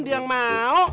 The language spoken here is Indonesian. dia yang mau